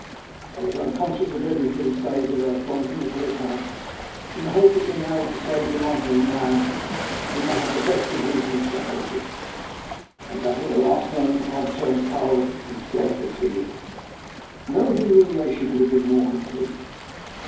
I was unconscious of everything save that I had gone to Nikola's house in the hope of being able to save the life of a man, whom I had the best of reasons for hating, and that at the last moment I had turned coward and fled the field. No humiliation could have been more complete.